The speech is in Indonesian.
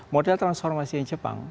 model transformasinya jepang